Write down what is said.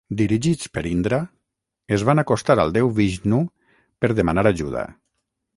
Dirigits per Indra, es van acostar al déu Vishnu per demanar ajuda.